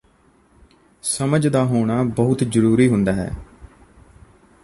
ਸਮਝ ਦਾ ਹੋਣਾ ਬਹੁਤ ਜ਼ਰੂਰੀ ਹੁੰਦਾ ਹੈ